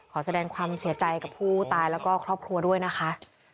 ขอแสดงความเสียใจกับผู้ตายแล้วก็ครอบครัวด้วยนะคะ